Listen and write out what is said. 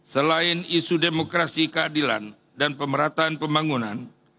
selain isu demokrasi keadilan dan pemerataan pembangunan